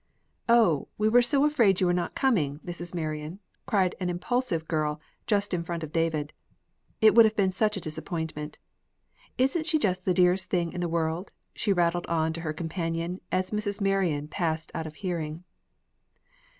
"O, we were so afraid you were not coming, Mrs. Marion," cried an impulsive young girl, just in front of David. "It would have been such a disappointment. Isn't she just the dearest thing in the world?" she rattled on to her companion, as Mrs. Marion passed out of hearing.